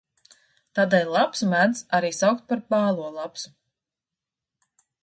Tādēļ lapsu mēdz arī saukt par bālo lapsu.